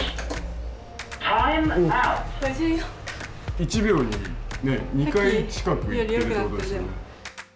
１秒に２回近く行ってるってことですよね。